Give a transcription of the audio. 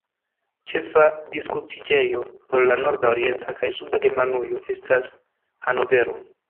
Ĉefa diskruciĝejo por la norda, orienta kaj suda Germanujo estas Hannovero.